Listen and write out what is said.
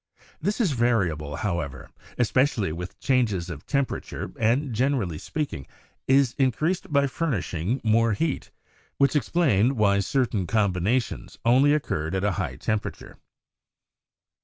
This is variable, however, especially with changes of tem perature, and, generally speaking, is increased by furnish ing more heat, which explained why certain combinations only occurred at a high temperature.